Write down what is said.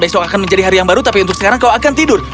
besok akan menjadi hari yang baru tapi untuk sekarang kau akan tidur